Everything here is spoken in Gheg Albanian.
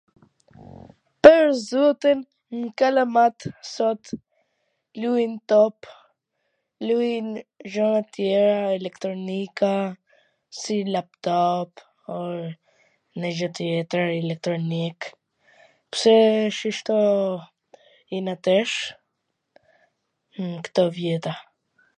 Pwr zotin kalamat sot lujn top, lujn gjona tjera, elektronika, si lap toop, nonj gjw tjetwr, eiektronik, pse shishto ina tesh, kto vjeta.